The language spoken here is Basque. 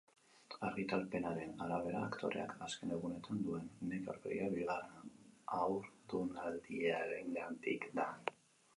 Argitalpenaren arabera, aktoreak azken egunetan duen neke aurpegia bigarren haurdunaldiarengatik da.